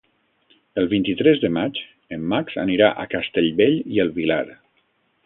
El vint-i-tres de maig en Max anirà a Castellbell i el Vilar.